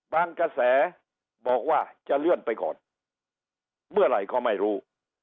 กระแสบอกว่าจะเลื่อนไปก่อนเมื่อไหร่ก็ไม่รู้